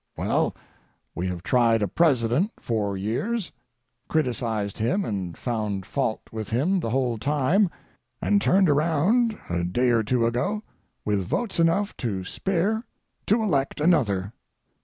Well, we have tried a President four years, criticised him and found fault with him the whole time, and turned around a day or two ago with votes enough to spare to elect another.